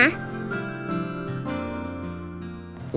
iya bu dokter